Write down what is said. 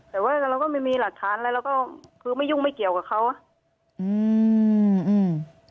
แต่ว่าเราก็ไม่มีหลักฐานอะไรเราก็คือไม่ยุ่งไม่เกี่ยวกับเขาอืมอืม